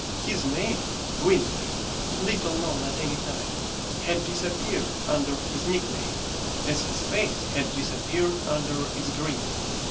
His name, Gwynplaine, little known at any time, had disappeared under his nickname, as his face had disappeared under its grin.